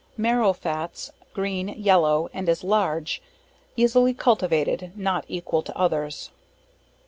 Marrow Fats, green, yellow, and is large, easily cultivated, not equal to others.